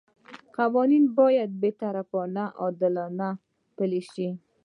قوانین باید بې طرفه او عادلانه پلي شي.